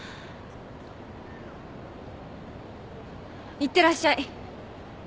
いってらっしゃい。